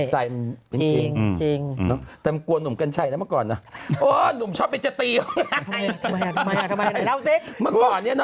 จิตใจมันเป็นจริง